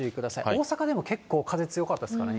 大阪でも結構風強かったですからね。